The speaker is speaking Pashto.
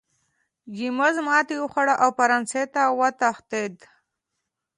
جېمز ماتې وخوړه او فرانسې ته وتښتېد.